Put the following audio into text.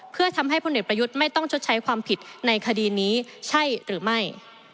เพื่อทำให้พลเอกประยุทธ์ไม่ต้องชดใช้ความผิดในคดีนี้ใช่หรือไม่